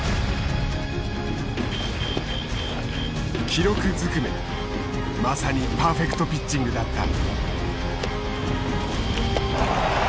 記録ずくめまさにパーフェクトピッチングだった。